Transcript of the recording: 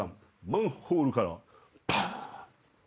マンホールからパっ！